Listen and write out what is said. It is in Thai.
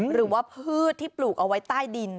พืชที่ปลูกเอาไว้ใต้ดิน